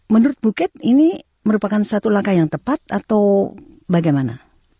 menurut bukit ini merupakan satu langkah yang tepat atau bagaimana